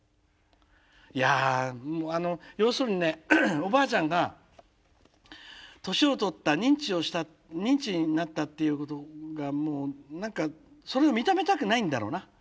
いやあの要するにねおばあちゃんが年を取った認知になったっていうことがもう何かそれを認めたくないんだろうな。